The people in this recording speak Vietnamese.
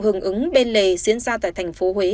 hưởng ứng bên lề diễn ra tại thành phố huế